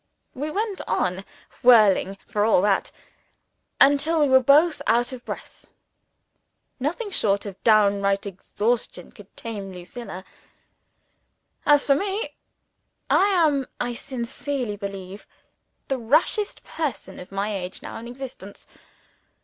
We went on whirling, for all that, until we were both out of breath. Nothing short of downright exhaustion could tame Lucilla. As for me, I am, I sincerely believe, the rashest person of my age now in existence.